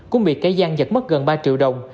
cũng bị kẻ gian giật mất gần ba triệu đồng